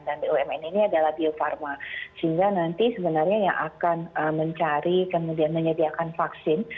dan bumn ini adalah bio farma sehingga nanti sebenarnya yang akan mencari kemudian menyediakan vaksin